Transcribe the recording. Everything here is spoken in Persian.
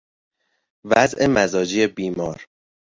وضع مزاجی بیمار